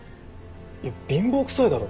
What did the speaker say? いや貧乏くさいだろ。